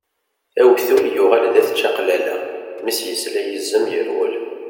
Awtul yuɣal d at čaqlala, mi s-yesla yizem yerwel.